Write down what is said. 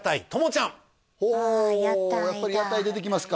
ほおやっぱり屋台出てきますか